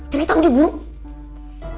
cerita udah gue